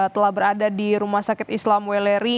telah berada di rumah sakit islam weleri